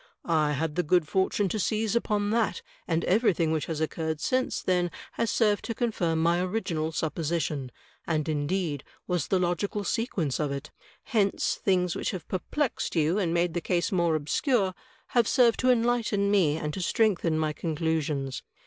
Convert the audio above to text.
I had the good 142 THE TECHNIQUE OF THE MYSTERY STORY fortune to seize upon that, and everything which has occurred since then has served to confirm my original supposition, and, indeed, was the logical sequence of it. Hence things which have perplexed you and made the case more obscure have served to enlighten me and to strengthen my conclusions.